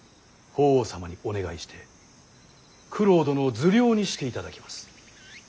法皇様にお願いして九郎殿を受領にしていただきます。